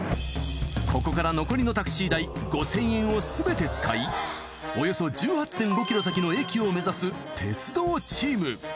ここから残りのタクシー代５，０００円をすべて使いおよそ１８．５ｋｍ先の駅を目指す鉄道チーム。